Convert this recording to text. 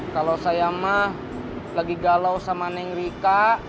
kalau saya mah lagi galau sama neng rika